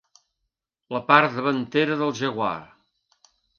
La part davantera del jaguar.